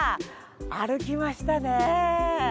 歩きましたね。